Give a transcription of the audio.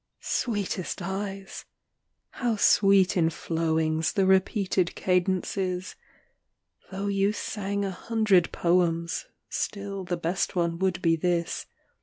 XIV. "Sweetest eyes!" how sweet in flowings The repeated cadence is! Though you sang a hundred poems, Still the best one would be this.